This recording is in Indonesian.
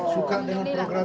suka dengan program ini enggak